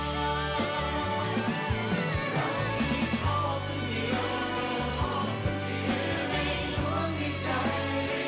เรามีพ่อคนเดียวเพื่อได้รวมในใจ